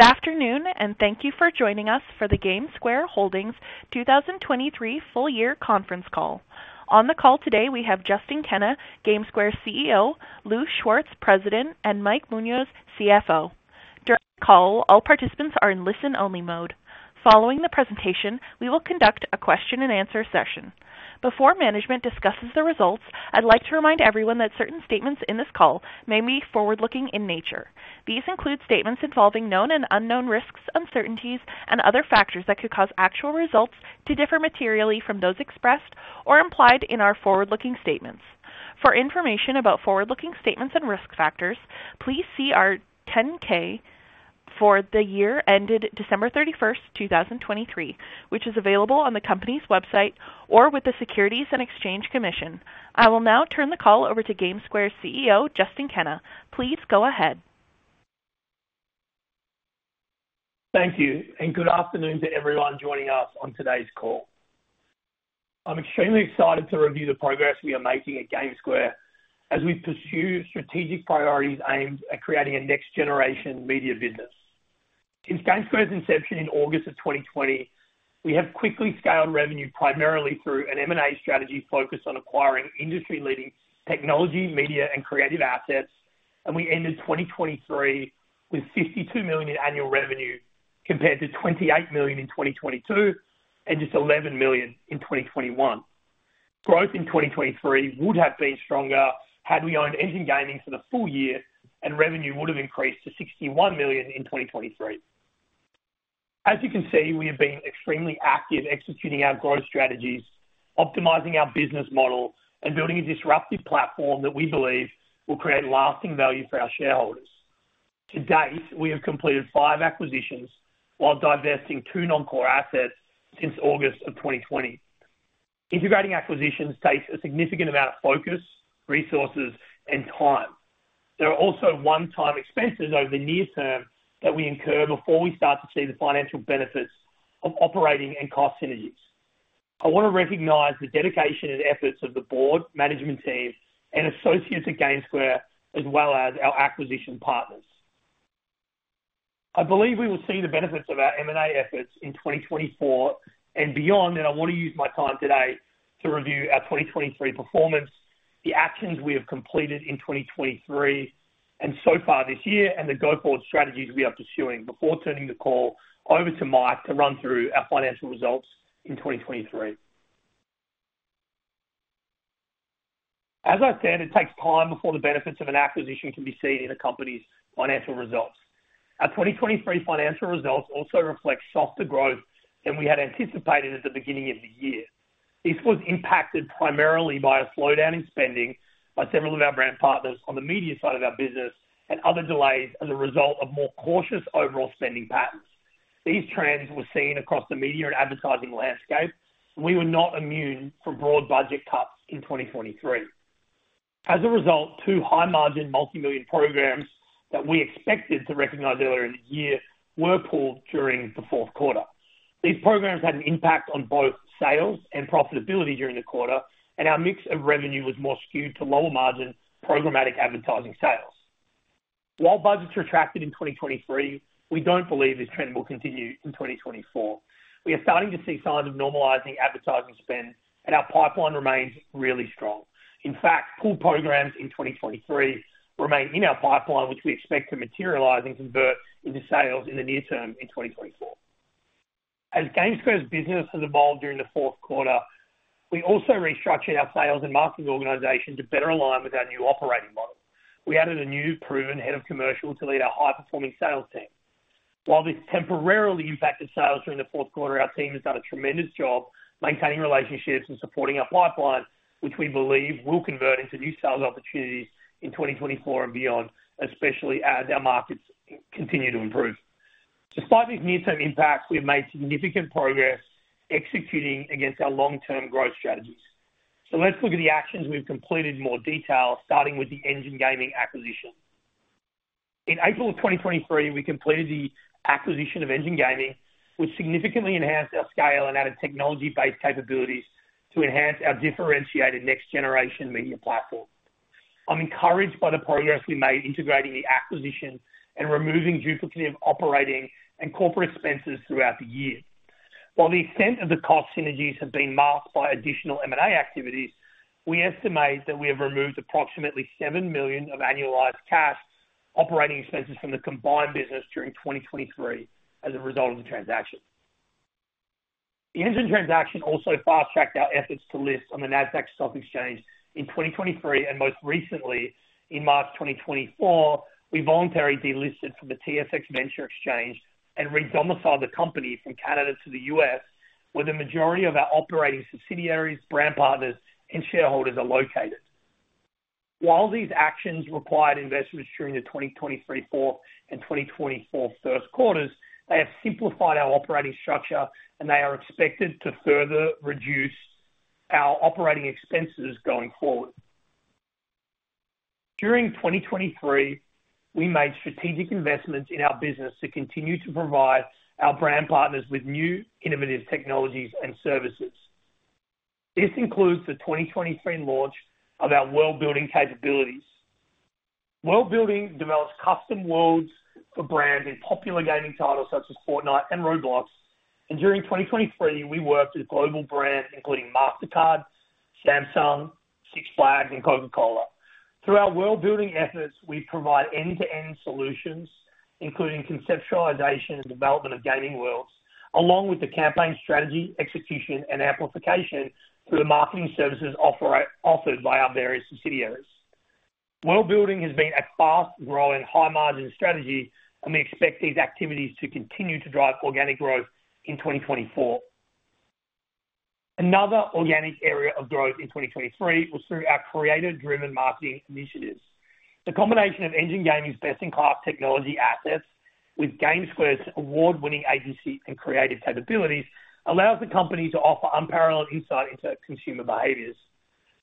Good afternoon, and thank you for joining us for the GameSquare Holdings 2023 full-year conference call. On the call today we have Justin Kenna, GameSquare CEO, Louis Schwartz, President, and Mike Munoz, CFO. During the call, all participants are in listen-only mode. Following the presentation, we will conduct a question-and-answer session. Before management discusses the results, I'd like to remind everyone that certain statements in this call may be forward-looking in nature. These include statements involving known and unknown risks, uncertainties, and other factors that could cause actual results to differ materially from those expressed or implied in our forward-looking statements. For information about forward-looking statements and risk factors, please see our 10-K for the year ended December 31st, 2023, which is available on the company's website or with the Securities and Exchange Commission. I will now turn the call over to GameSquare CEO Justin Kenna. Please go ahead. Thank you, and good afternoon to everyone joining us on today's call. I'm extremely excited to review the progress we are making at GameSquare as we pursue strategic priorities aimed at creating a next-generation media business. Since GameSquare's inception in August of 2020, we have quickly scaled revenue primarily through an M&A strategy focused on acquiring industry-leading technology, media, and creative assets, and we ended 2023 with $52 million in annual revenue compared to $28 million in 2022 and just $11 million in 2021. Growth in 2023 would have been stronger had we owned Engine Gaming for the full year, and revenue would have increased to $61 million in 2023. As you can see, we have been extremely active executing our growth strategies, optimizing our business model, and building a disruptive platform that we believe will create lasting value for our shareholders. To date, we have completed 5 acquisitions while divesting 2 non-core assets since August of 2020. Integrating acquisitions takes a significant amount of focus, resources, and time. There are also one-time expenses over the near term that we incur before we start to see the financial benefits of operating and cost synergies. I want to recognize the dedication and efforts of the board, management team, and associates at GameSquare, as well as our acquisition partners. I believe we will see the benefits of our M&A efforts in 2024, and beyond that, I want to use my time today to review our 2023 performance, the actions we have completed in 2023 and so far this year, and the go-forward strategies we are pursuing before turning the call over to Mike to run through our financial results in 2023. As I said, it takes time before the benefits of an acquisition can be seen in a company's financial results. Our 2023 financial results also reflect softer growth than we had anticipated at the beginning of the year. This was impacted primarily by a slowdown in spending by several of our brand partners on the media side of our business and other delays as a result of more cautious overall spending patterns. These trends were seen across the media and advertising landscape, and we were not immune from broad budget cuts in 2023. As a result, 2 high-margin, multimillion programs that we expected to recognize earlier in the year were pulled during the fourth quarter. These programs had an impact on both sales and profitability during the quarter, and our mix of revenue was more skewed to lower-margin programmatic advertising sales. While budgets retracted in 2023, we don't believe this trend will continue in 2024. We are starting to see signs of normalizing advertising spend, and our pipeline remains really strong. In fact, pulled programs in 2023 remain in our pipeline, which we expect to materialize and convert into sales in the near term in 2024. As GameSquare's business has evolved during the fourth quarter, we also restructured our sales and marketing organization to better align with our new operating model. We added a new, proven head of commercial to lead our high-performing sales team. While this temporarily impacted sales during the fourth quarter, our team has done a tremendous job maintaining relationships and supporting our pipeline, which we believe will convert into new sales opportunities in 2024 and beyond, especially as our markets continue to improve. Despite these near-term impacts, we have made significant progress executing against our long-term growth strategies. Let's look at the actions we've completed in more detail, starting with the Engine Gaming acquisition. In April of 2023, we completed the acquisition of Engine Gaming, which significantly enhanced our scale and added technology-based capabilities to enhance our differentiated next-generation media platform. I'm encouraged by the progress we made integrating the acquisition and removing duplicative operating and corporate expenses throughout the year. While the extent of the cost synergies have been marked by additional M&A activities, we estimate that we have removed approximately $7 million of annualized cash operating expenses from the combined business during 2023 as a result of the transaction. The Engine transaction also fast-tracked our efforts to list on the NASDAQ Stock Exchange in 2023, and most recently, in March 2024, we voluntarily delisted from the TSX Venture Exchange and redomiciled the company from Canada to the US, where the majority of our operating subsidiaries, brand partners, and shareholders are located. While these actions required investments during the 2023 fourth and 2024 first quarters, they have simplified our operating structure, and they are expected to further reduce our operating expenses going forward. During 2023, we made strategic investments in our business to continue to provide our brand partners with new, innovative technologies and services. This includes the 2023 launch of our world-building capabilities. World-building develops custom worlds for brands in popular gaming titles such as Fortnite and Roblox, and during 2023, we worked with global brands including Mastercard, Samsung, Six Flags, and Coca-Cola. Through our world-building efforts, we provide end-to-end solutions, including conceptualization and development of gaming worlds, along with the campaign strategy, execution, and amplification through the marketing services offered by our various subsidiaries. World-building has been a fast-growing, high-margin strategy, and we expect these activities to continue to drive organic growth in 2024. Another organic area of growth in 2023 was through our creator-driven marketing initiatives. The combination of Engine Gaming's best-in-class technology assets with GameSquare's award-winning agency and creative capabilities allows the company to offer unparalleled insight into consumer behaviors.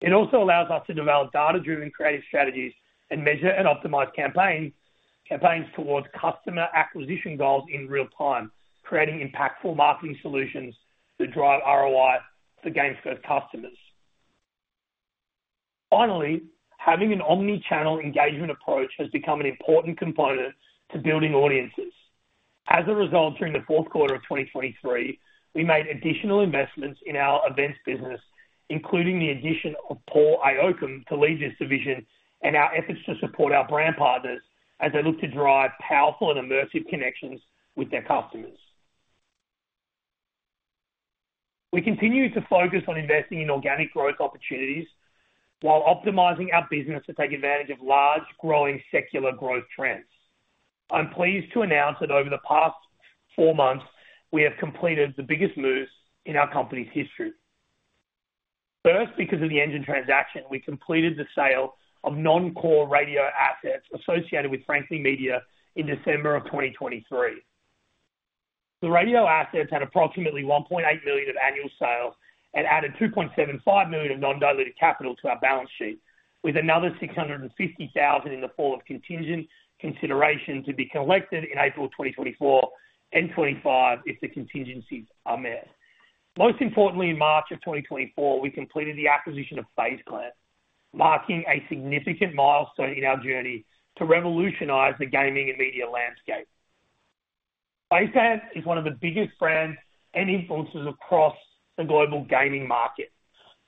It also allows us to develop data-driven creative strategies and measure and optimize campaigns towards customer acquisition goals in real time, creating impactful marketing solutions that drive ROI for GameSquare's customers. Finally, having an omnichannel engagement approach has become an important component to building audiences. As a result, during the fourth quarter of 2023, we made additional investments in our events business, including the addition of Paul Ioakim to lead this division and our efforts to support our brand partners as they look to drive powerful and immersive connections with their customers. We continue to focus on investing in organic growth opportunities while optimizing our business to take advantage of large, growing secular growth trends. I'm pleased to announce that over the past four months, we have completed the biggest moves in our company's history. First, because of the Engine transaction, we completed the sale of non-core radio assets associated with Frankly Media in December of 2023. The radio assets had approximately $1.8 million of annual sales and added $2.75 million of non-diluted capital to our balance sheet, with another $650,000 in the fall of contingent consideration to be collected in April 2024 and 2025 if the contingencies are met. Most importantly, in March 2024, we completed the acquisition of FaZe Clan, marking a significant milestone in our journey to revolutionize the gaming and media landscape. FaZe Clan is one of the biggest brands and influencers across the global gaming market.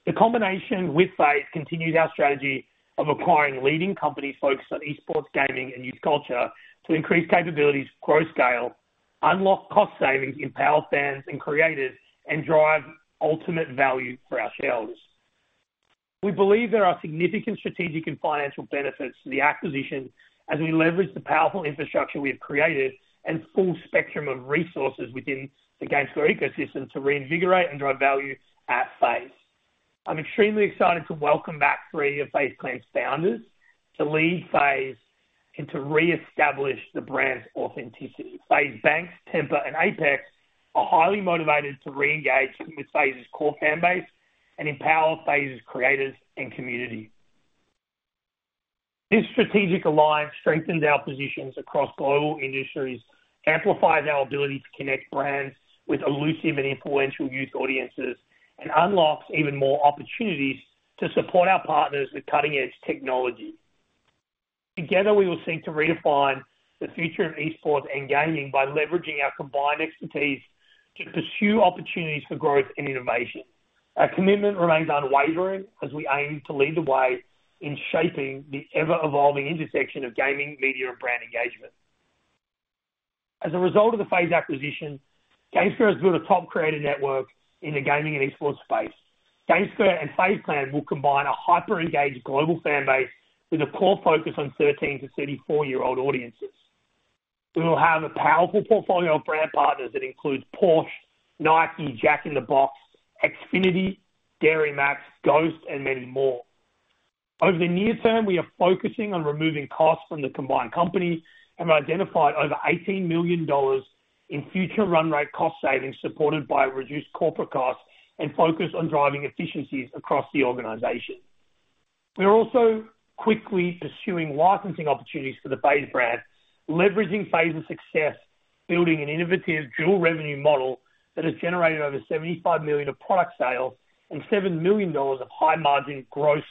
The combination with FaZe Clan continues our strategy of acquiring leading companies focused on esports, gaming, and youth culture to increase capabilities, grow scale, unlock cost savings, empower fans and creators, and drive ultimate value for our shareholders. We believe there are significant strategic and financial benefits to the acquisition as we leverage the powerful infrastructure we have created and full spectrum of resources within the GameSquare ecosystem to reinvigorate and drive value at FaZe Clan. I'm extremely excited to welcome back three of FaZe Clan's founders to lead FaZe Clan and to reestablish the brand's authenticity. FaZe Banks, FaZe Temperrr, and FaZe Apex are highly motivated to reengage with FaZe Clan's core fanbase and empower FaZe Clan's creators and community. This strategic alliance strengthens our positions across global industries, amplifies our ability to connect brands with elusive and influential youth audiences, and unlocks even more opportunities to support our partners with cutting-edge technology. Together, we will seek to redefine the future of esports and gaming by leveraging our combined expertise to pursue opportunities for growth and innovation. Our commitment remains unwavering as we aim to lead the way in shaping the ever-evolving intersection of gaming, media, and brand engagement. As a result of the FaZe acquisition, GameSquare has built a top creator network in the gaming and esports space. GameSquare and FaZe Clan will combine a hyper-engaged global fanbase with a core focus on 13-34-year-old audiences. We will have a powerful portfolio of brand partners that includes Porsche, Nike, Jack in the Box, Xfinity, Dairy MAX, GHOST, and many more. Over the near term, we are focusing on removing costs from the combined company and have identified over $18 million in future run-rate cost savings supported by reduced corporate costs and focus on driving efficiencies across the organization. We are also quickly pursuing licensing opportunities for the FaZe brand, leveraging FaZe's success building an innovative dual-revenue model that has generated over $75 million of product sales and $7 million of high-margin gross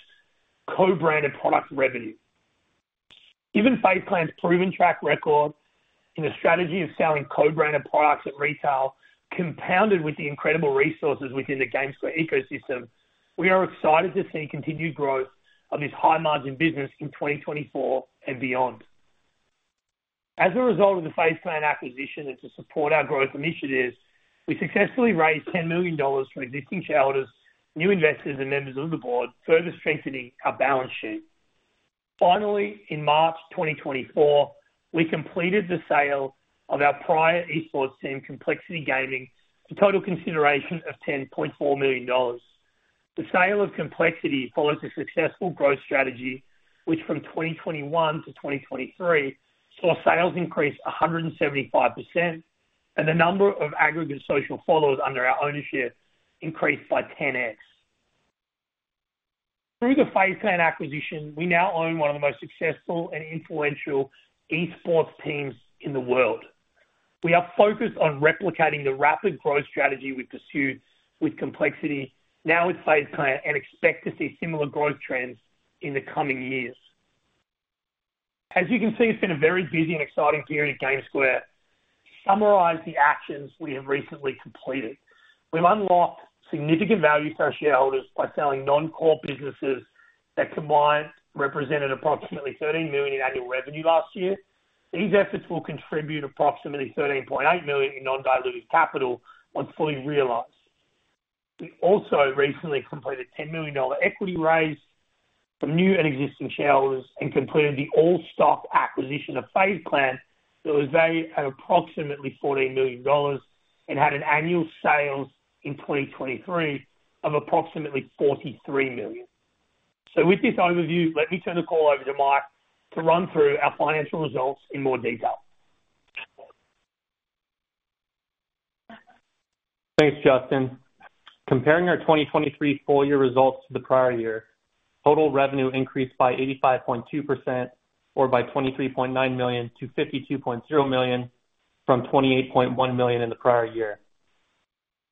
co-branded product revenue. Given FaZe Clan's proven track record in the strategy of selling co-branded products at retail, compounded with the incredible resources within the GameSquare ecosystem, we are excited to see continued growth of this high-margin business in 2024 and beyond. As a result of the FaZe Clan acquisition and to support our growth initiatives, we successfully raised $10 million from existing shareholders, new investors, and members of the board, further strengthening our balance sheet. Finally, in March 2024, we completed the sale of our prior esports team, Complexity Gaming, for a total consideration of $10.4 million. The sale of Complexity follows a successful growth strategy, which from 2021 to 2023 saw sales increase 175% and the number of aggregate social followers under our ownership increase by 10x. Through the FaZe Clan acquisition, we now own one of the most successful and influential esports teams in the world. We are focused on replicating the rapid growth strategy we pursued with Complexity now with FaZe Clan and expect to see similar growth trends in the coming years. As you can see, it's been a very busy and exciting period at GameSquare. To summarize the actions we have recently completed, we've unlocked significant value for our shareholders by selling non-core businesses that combined represented approximately $13 million in annual revenue last year. These efforts will contribute approximately $13.8 million in non-diluted capital once fully realized. We also recently completed a $10 million equity raise from new and existing shareholders and completed the all-stock acquisition of FaZe Clan that was valued at approximately $14 million and had annual sales in 2023 of approximately $43 million. So with this overview, let me turn the call over to Mike to run through our financial results in more detail. Thanks, Justin. Comparing our 2023 full-year results to the prior year, total revenue increased by 85.2% or by $23.9 million to $52.0 million from $28.1 million in the prior year.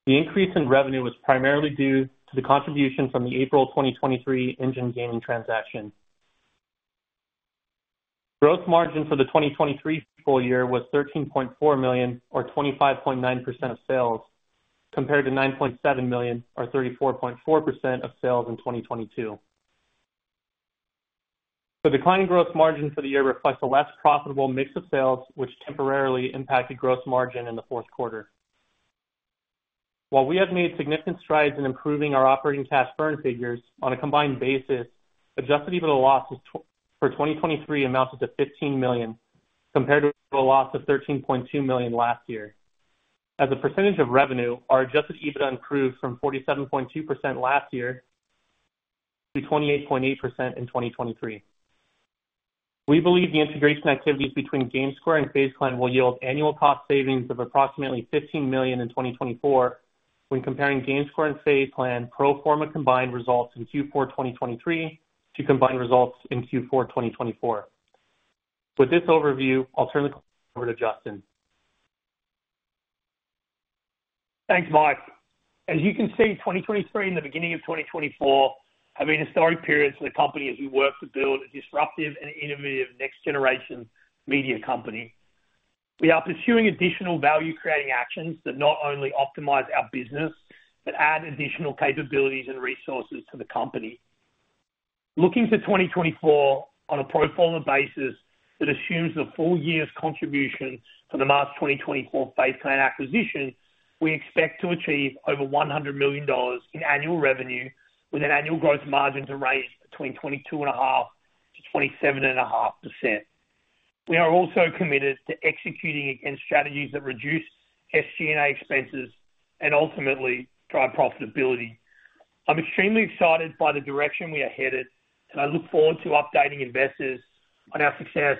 The increase in revenue was primarily due to the contribution from the April 2023 Engine Gaming transaction. Gross margin for the 2023 full year was $13.4 million or 25.9% of sales, compared to $9.7 million or 34.4% of sales in 2022. The declining growth margin for the year reflects a less profitable mix of sales, which temporarily impacted growth margin in the fourth quarter. While we have made significant strides in improving our operating cash burn figures, on a combined basis, Adjusted EBITDA loss for 2023 amounted to $15 million, compared to a loss of $13.2 million last year. As a percentage of revenue, our Adjusted EBITDA improved from 47.2% last year to 28.8% in 2023. We believe the integration activities between GameSquare and FaZe Clan will yield annual cost savings of approximately $15 million in 2024 when comparing GameSquare and FaZe Clan pro forma combined results in Q4 2023 to combined results in Q4 2024. With this overview, I'll turn the call over to Justin. Thanks, Mike. As you can see, 2023 and the beginning of 2024 have been historic periods for the company as we work to build a disruptive and innovative next-generation media company. We are pursuing additional value-creating actions that not only optimize our business but add additional capabilities and resources to the company. Looking to 2024 on a pro forma basis that assumes the full year's contribution for the March 2024 FaZe Clan acquisition, we expect to achieve over $100 million in annual revenue with an annual growth margin to range between 22.5%-27.5%. We are also committed to executing against strategies that reduce SG&A expenses and ultimately drive profitability. I'm extremely excited by the direction we are headed, and I look forward to updating investors on our success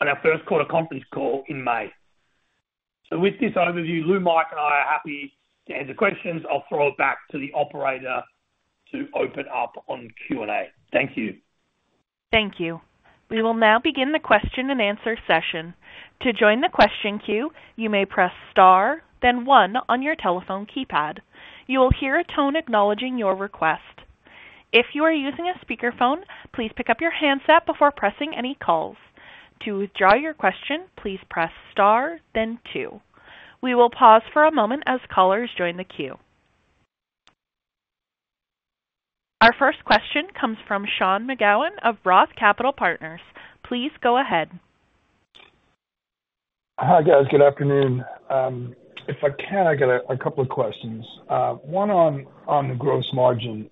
on our first quarter conference call in May. With this overview, Lou, Mike, and I are happy to answer questions. I'll throw it back to the operator to open up on Q&A. Thank you. Thank you. We will now begin the question-and-answer session. To join the question queue, you may press star, then 1 on your telephone keypad. You will hear a tone acknowledging your request. If you are using a speakerphone, please pick up your handset before pressing any calls. To draw your question, please press star, then 2. We will pause for a moment as callers join the queue. Our first question comes from Sean McGowan of Roth Capital Partners. Please go ahead. Hi guys. Good afternoon. If I can, I got a couple of questions. One on the gross margin.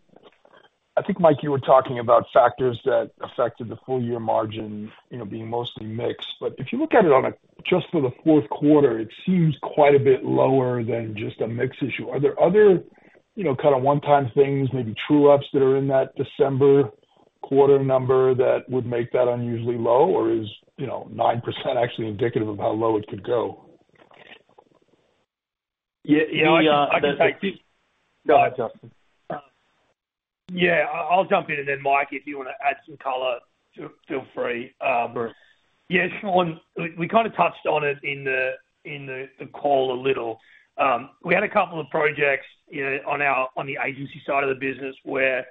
I think, Mike, you were talking about factors that affected the full-year margin being mostly mix, but if you look at it just for the fourth quarter, it seems quite a bit lower than just a mix issue. Are there other kind of one-time things, maybe true-ups that are in that December quarter number that would make that unusually low, or is 9% actually indicative of how low it could go? Yeah, I can see. Go ahead, Justin. Yeah, I'll jump in, and then, Mike, if you want to add some color, feel free. Sure. Yeah, Sean, we kind of touched on it in the call a little. We had a couple of projects on the agency side of the business where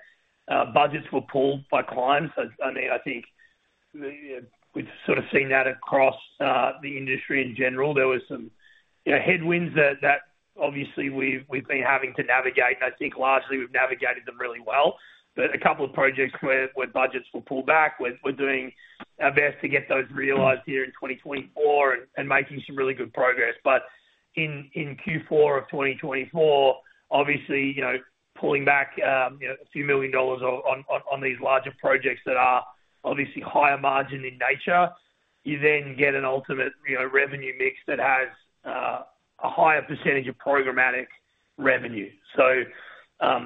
budgets were pulled by clients. I mean, I think we've sort of seen that across the industry in general. There were some headwinds that, obviously, we've been having to navigate, and I think, largely, we've navigated them really well. But a couple of projects where budgets were pulled back, we're doing our best to get those realized here in 2024 and making some really good progress. But in Q4 of 2024, obviously, pulling back $a few million on these larger projects that are, obviously, higher margin in nature, you then get an ultimate revenue mix that has a higher percentage of programmatic revenue. So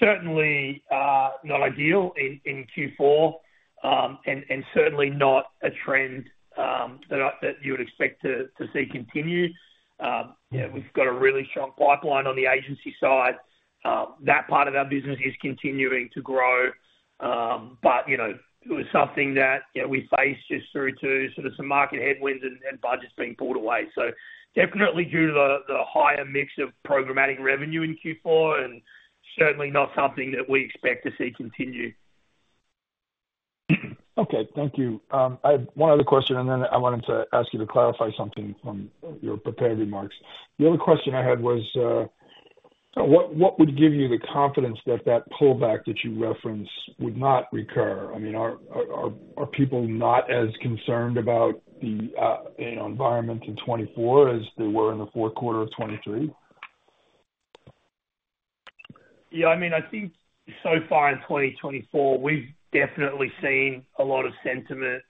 certainly not ideal in Q4 and certainly not a trend that you would expect to see continue. We've got a really strong pipeline on the agency side. That part of our business is continuing to grow, but it was something that we faced just through to sort of some market headwinds and budgets being pulled away. Definitely due to the higher mix of programmatic revenue in Q4 and certainly not something that we expect to see continue. Okay. Thank you. I had one other question, and then I wanted to ask you to clarify something from your prepared remarks. The other question I had was, what would give you the confidence that that pullback that you referenced would not recur? I mean, are people not as concerned about the environment in 2024 as they were in the fourth quarter of 2023? Yeah. I mean, I think, so far in 2024, we've definitely seen a lot of sentiment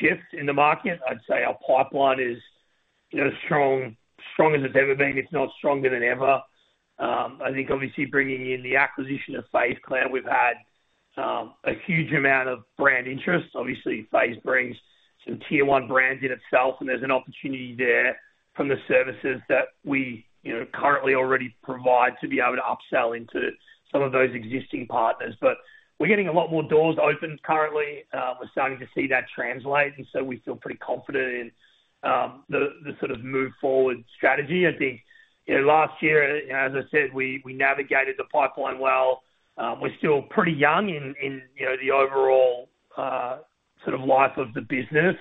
shift in the market. I'd say our pipeline is as strong as it's ever been. If not stronger than ever. I think, obviously, bringing in the acquisition of FaZe Clan, we've had a huge amount of brand interest. Obviously, FaZe brings some tier-one brands in itself, and there's an opportunity there from the services that we currently already provide to be able to upsell into some of those existing partners. But we're getting a lot more doors opened currently. We're starting to see that translate, and so we feel pretty confident in the sort of move forward strategy. I think, last year, as I said, we navigated the pipeline well. We're still pretty young in the overall sort of life of the business.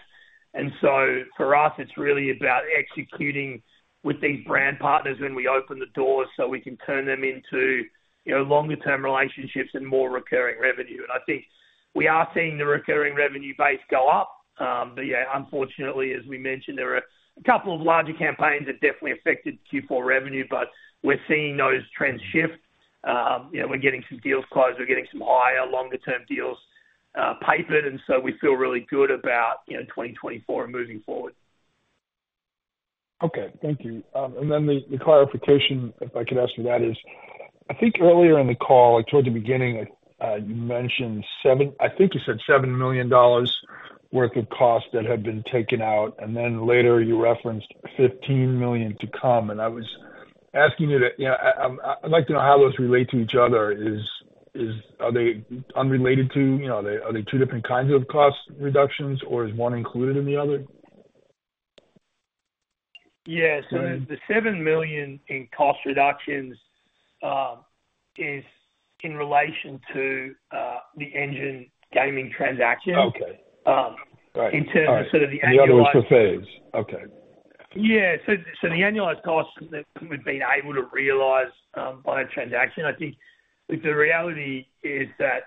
And so for us, it's really about executing with these brand partners when we open the doors so we can turn them into longer-term relationships and more recurring revenue. And I think we are seeing the recurring revenue base go up. But yeah, unfortunately, as we mentioned, there were a couple of larger campaigns that definitely affected Q4 revenue, but we're seeing those trends shift. We're getting some deals closed. We're getting some higher, longer-term deals papered, and so we feel really good about 2024 and moving forward. Okay. Thank you. And then the clarification, if I could ask you that, is I think earlier in the call, toward the beginning, you mentioned I think you said $7 million worth of costs that had been taken out, and then later you referenced $15 million to come. And I was asking you to I'd like to know how those relate to each other. Are they unrelated to are they two different kinds of cost reductions, or is one included in the other? Yeah. So the $7 million in cost reductions is in relation to the Engine Gaming transaction in terms of sort of the annualized. Okay. The other was for FaZe Clan. Okay. Yeah. So the annualized costs that we've been able to realize by a transaction. I think the reality is that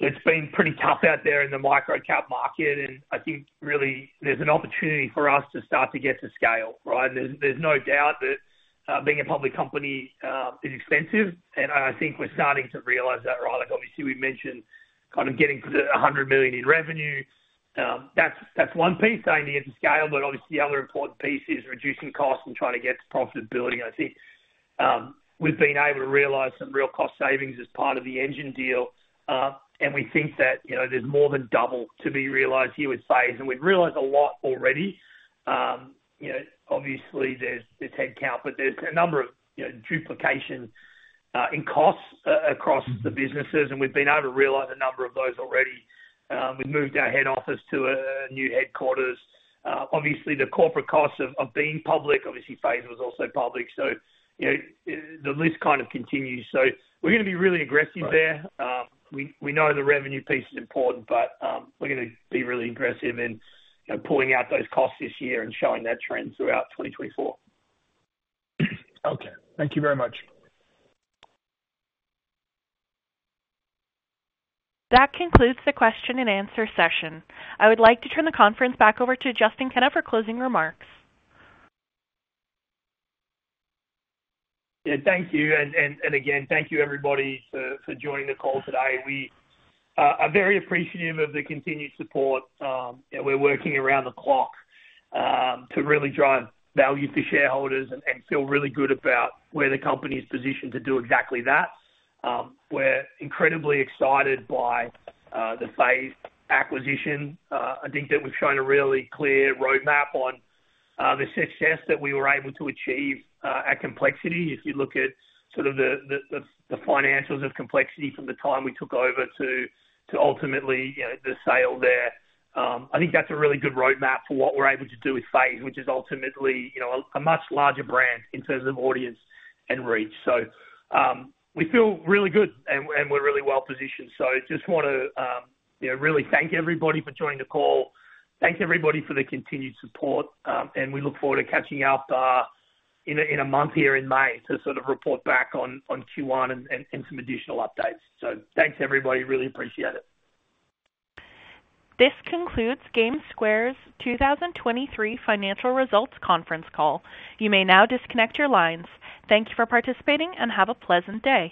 it's been pretty tough out there in the microcap market, and I think, really, there's an opportunity for us to start to get to scale, right? There's no doubt that being a public company is expensive, and I think we're starting to realize that rather. Obviously, we mentioned kind of getting to the $100 million in revenue. That's one piece, saying, to get to scale, but obviously, the other important piece is reducing costs and trying to get to profitability. And I think we've been able to realize some real cost savings as part of the Engine deal, and we think that there's more than double to be realized here with Phase, and we've realized a lot already. Obviously, there's headcount, but there's a number of duplication in costs across the businesses, and we've been able to realize a number of those already. We've moved our head office to a new headquarters. Obviously, the corporate costs of being public obviously, Phase was also public, so the list kind of continues. So we're going to be really aggressive there. We know the revenue piece is important, but we're going to be really aggressive in pulling out those costs this year and showing that trend throughout 2024. Okay. Thank you very much. That concludes the question-and-answer session. I would like to turn the conference back over to Justin Kenna for closing remarks. Yeah. Thank you. And again, thank you, everybody, for joining the call today. We are very appreciative of the continued support. We're working around the clock to really drive value to shareholders and feel really good about where the company is positioned to do exactly that. We're incredibly excited by the Phase acquisition. I think that we've shown a really clear roadmap on the success that we were able to achieve at Complexity. If you look at sort of the financials of Complexity from the time we took over to ultimately the sale there, I think that's a really good roadmap for what we're able to do with Phase, which is ultimately a much larger brand in terms of audience and reach. So we feel really good, and we're really well positioned. So just want to really thank everybody for joining the call. Thanks, everybody, for the continued support, and we look forward to catching up in a month here in May to sort of report back on Q1 and some additional updates. Thanks, everybody. Really appreciate it. This concludes GameSquare's 2023 financial results conference call. You may now disconnect your lines. Thank you for participating, and have a pleasant day.